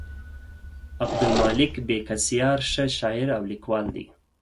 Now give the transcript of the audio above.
عبدالمالک بېکسیار ښه شاعر او لیکوال دی.